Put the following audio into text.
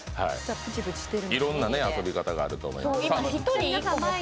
いろんな遊び方があると思います。